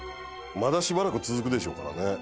まだしばらく続くでしょうからね